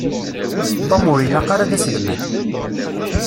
Tom ur ilaq ara d aselmad.